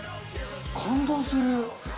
感動する。